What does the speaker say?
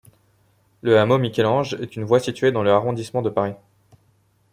Le hameau Michel-Ange est une voie située dans le arrondissement de Paris.